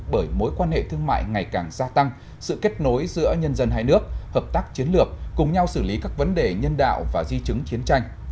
bởi mối quan hệ thương mại ngày càng gia tăng sự kết nối giữa nhân dân hai nước hợp tác chiến lược cùng nhau xử lý các vấn đề nhân đạo và di chứng chiến tranh